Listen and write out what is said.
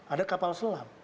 ada kapal selam